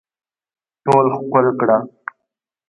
ټول ښکل کړه